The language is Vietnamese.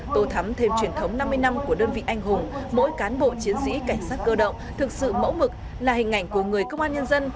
tổ thắm thêm truyền thống năm mươi năm của đơn vị anh hùng mỗi cán bộ chiến sĩ cảnh sát cơ động thực sự mẫu mực là hình ảnh của người công an nhân dân